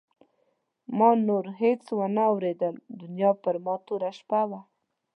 ما نو نور هېڅ وانه ورېدل دنیا پر ما توره شپه شوه.